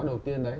đầu tiên đấy